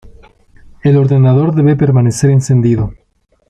El ordenador debe permanecer encendido.